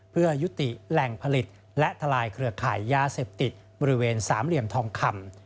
เพื่อยุติแหล่งผลิตและทลายเครือข่ายยาเสพติดบริเวณสามเหลี่ยมทองคำ